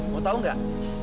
mau tahu gak